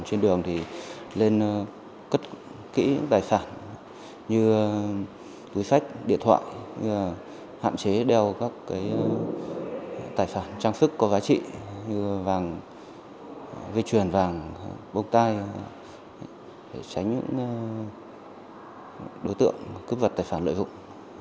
hạn chế đeo các tài sản trang sức có vá trị như vàng vi chuyển vàng bông tai để tránh những đối tượng cướp vật tài sản lợi hụng